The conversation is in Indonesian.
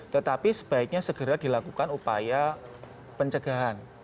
tetapi sebaiknya segera dilakukan upaya pencegahan